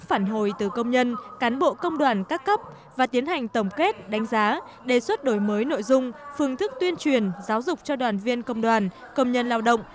phản hồi từ công nhân cán bộ công đoàn các cấp và tiến hành tổng kết đánh giá đề xuất đổi mới nội dung phương thức tuyên truyền giáo dục cho đoàn viên công đoàn công nhân lao động